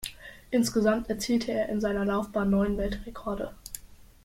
Insgesamt erzielte er in seiner Laufbahn neun Weltrekorde.